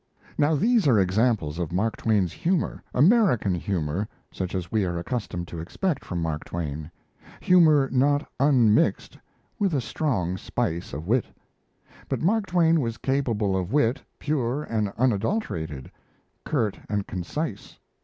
Now these are examples of Mark Twain's humour, American humour, such as we are accustomed to expect from Mark Twain humour not unmixed with a strong spice of wit. But Mark Twain was capable of wit, pure and unadulterated, curt and concise.